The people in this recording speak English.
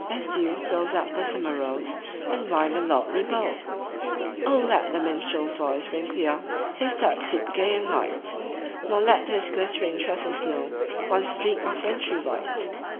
As dew fills up the summer rose And wine the lordly bowl ! let the minstrePs voice ring clear. His touch sweep gay and light; Nor let his glittering tresses know One streak of wintry white.